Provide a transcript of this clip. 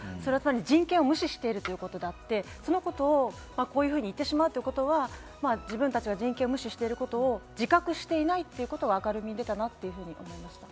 人権を無視しているということであって、そのことをこういうふうに言ってしまうっていうことは自分たちは人権を無視してることを自覚していないっていうことが明るみに出たかなって思いました。